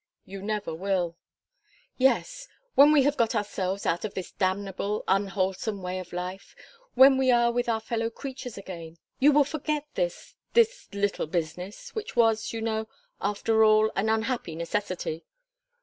"You never will." "Yes when we have got ourselves out of this damnable, unwholesome way of life; when we are with our fellow creatures again. You will forget this this little business which was, you know, after all, an unhappy necessity."